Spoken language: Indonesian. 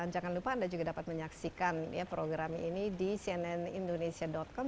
jangan lupa anda juga dapat menyaksikan program ini di cnnindonesia com